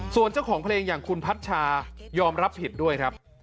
ส่วนเจ้าของเพลงอย่างคุณพัชชายอมรับผิดด้วยครับ